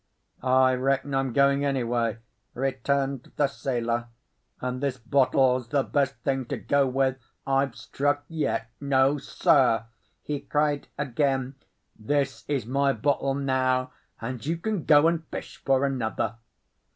"I reckon I'm going anyway," returned the sailor; "and this bottle's the best thing to go with I've struck yet. No, sir!" he cried again, "this is my bottle now, and you can go and fish for another."